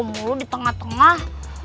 mulu di tengah tengah